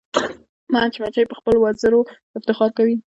مچمچۍ په خپلو وزرو افتخار کوي